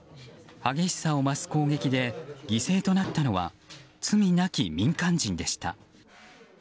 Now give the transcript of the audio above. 激しさを増す攻撃で犠牲となったのは罪なき民間人でした。